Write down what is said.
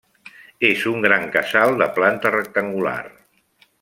És un gran casal de planta rectangular.